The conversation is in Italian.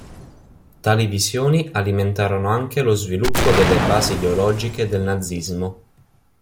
Tali visioni alimentarono anche lo sviluppo delle basi ideologiche del nazismo.